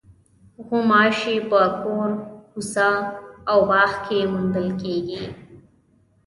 غوماشې په کور، کوڅه او باغ کې موندل کېږي.